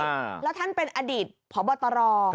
แล้วท่านเป็นอดีตพบตร